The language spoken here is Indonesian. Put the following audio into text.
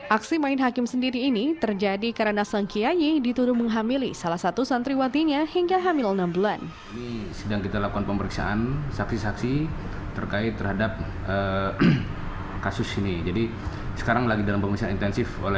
aksi main hakim sendiri ini terjadi karena sang kiai dituru menghamili salah satu santriwatinya hingga hamil enam bulan